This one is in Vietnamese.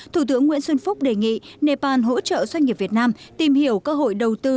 thủ tướng nguyễn xuân phúc đề nghị nepal hỗ trợ doanh nghiệp việt nam tìm hiểu cơ hội đầu tư